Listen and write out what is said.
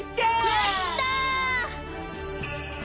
やった！